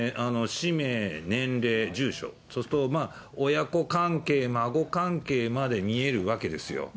氏名、年齢、住所、そうすると親子関係、孫関係まで見えるわけですよ。